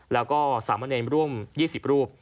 แล้วก็สามประเด็นร่วม๒๐รูป